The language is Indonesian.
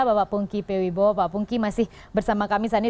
bapak pungki pewibo pak pungki masih bersama kami saat ini